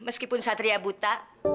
meskipun satria buta